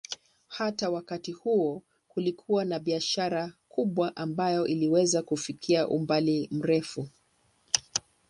Hata wakati huo kulikuwa na biashara kubwa ambayo iliweza kufikia umbali mrefu.